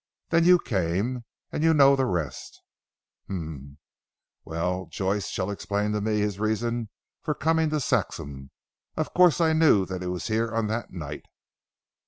Then you came, and you know the rest." "Humph! Well, Joyce shall explain to me his reasons for coming to Saxham. Of course I knew that he was here on that night."